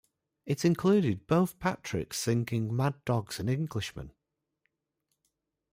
It included both Patricks singing "Mad Dogs and Englishmen".